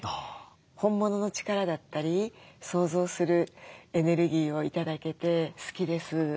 本物の力だったり創造するエネルギーを頂けて好きです。